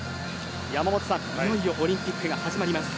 山本さん、いよいよオリンピックが始まります。